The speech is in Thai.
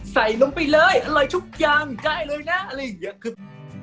การเป็นอาชิกนักภาคโฆษณาครับ